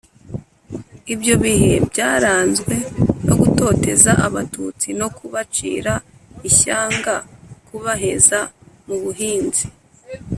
Ibyo bihe byaranzwe no gutoteza abatutsi no kubacira ishyanga kubaheza mu buhunzi